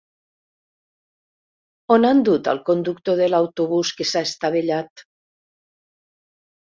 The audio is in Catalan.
On han dut al conductor de l'autobús que s'ha estavellat?